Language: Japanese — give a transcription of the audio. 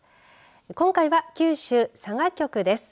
今回は九州、佐賀局です。